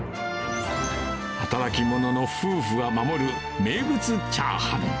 働き者の夫婦が守る名物チャーハン。